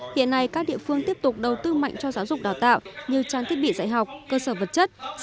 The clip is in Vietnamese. hiện nay các địa phương tiếp tục đầu tư mạnh cho giáo dục đào tạo như trang thiết bị dạy học cơ sở vật chất